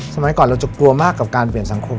สมัยก่อนเราจะกลัวมากกับการเปลี่ยนสังคม